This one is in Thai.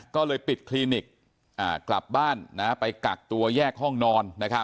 ก็เลยปิดคลินิกกลับบ้านไปกักตัวแยกห้องนอน